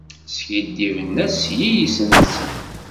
Skiddiben-as s yiles-nsen.